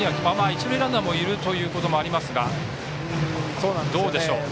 一塁ランナーもいるということもありますが、どうでしょう。